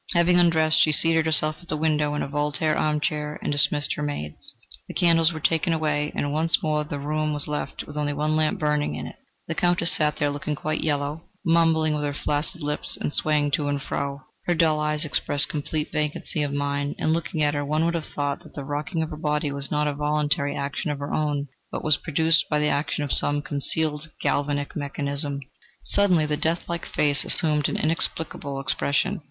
Having undressed, she seated herself at the window in a Voltaire armchair and dismissed her maids. The candles were taken away, and once more the room was left with only one lamp burning in it. The Countess sat there looking quite yellow, mumbling with her flaccid lips and swaying to and fro. Her dull eyes expressed complete vacancy of mind, and, looking at her, one would have thought that the rocking of her body was not a voluntary action of her own, but was produced by the action of some concealed galvanic mechanism. Suddenly the death like face assumed an inexplicable expression.